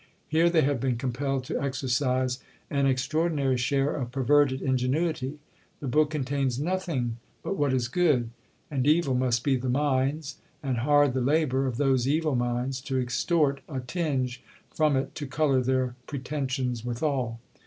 Here they have been compelled to exercise an extraordinary share of perverted ingenuity. The book contains nothing but what is good, and evil must be the minds, and hard the labour of those evil minds, to extort a tinge from it to colour their pretensions withal.